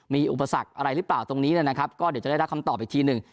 มีอุปสรรคอะไรหรือเปล่าตรงนี้นะครับก็เดี๋ยวจะได้รับคำตอบอีกทีหนึ่ง